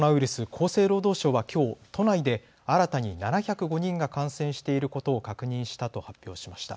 厚生労働省はきょう都内で新たに７０５人が感染していることを確認したと発表しました。